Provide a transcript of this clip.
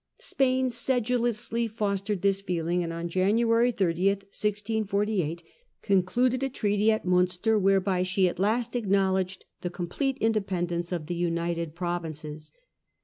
Spain sedulously fostered this feeling, and on January 30, 1648, 8 Peace of Westphalia. 1648. concluded a treaty at Munster whereby she at last acknowledged the complete independence of the United g ^ Provinces.